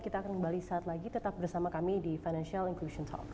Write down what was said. kita akan kembali saat lagi tetap bersama kami di financial inclusion talk